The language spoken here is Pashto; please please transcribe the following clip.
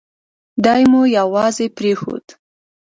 دای مو یوازې پرېښود.